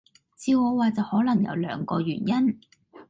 照我話就可能有兩個原因